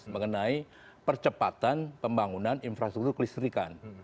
mengenai percepatan pembangunan infrastruktur kelistrikan